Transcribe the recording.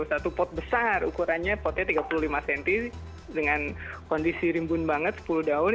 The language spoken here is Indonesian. satu pot besar ukurannya potnya tiga puluh lima cm dengan kondisi rimbun banget sepuluh daun